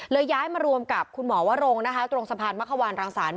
ย้ายมารวมกับคุณหมอวรงนะคะตรงสะพานมะขวานรังสรรค